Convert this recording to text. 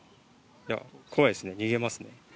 怖いですね、逃げますね。